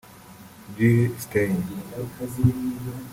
Jill Stein